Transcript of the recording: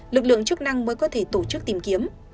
lực lượng chức năng mới có thể tổ chức tìm kiếm